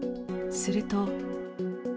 すると。